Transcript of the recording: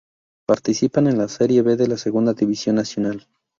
Participan en la Serie B de la Segunda División nacional.